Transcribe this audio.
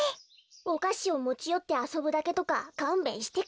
おかしをもちよってあそぶだけとかかんべんしてくれよ。